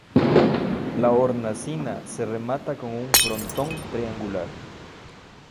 La hornacina se remata con un frontón triangular.